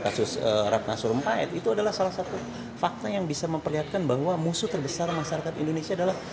kasus ratna sarumpait itu adalah salah satu fakta yang bisa memperlihatkan bahwa musuh terbesar masyarakat indonesia adalah